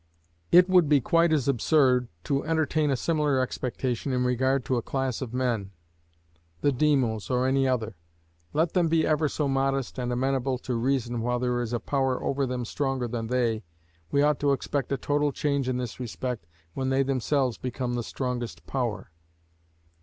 It would be quite as absurd to entertain a similar expectation in regard to a class of men; the Demos, or any other. Let them be ever so modest and amenable to reason while there is a power over them stronger than they, we ought to expect a total change in this respect when they themselves become the strongest power.